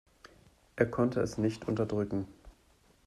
Er konnte es nicht unterdrücken.